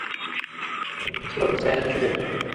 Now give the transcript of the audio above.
যেমন ঘটেছিল হুসায়ন নাসিরের ক্ষেত্রে।